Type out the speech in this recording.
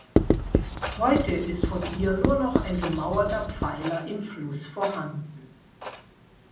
Heute ist von ihr nur noch ein gemauerter Pfeiler im Fluss vorhanden.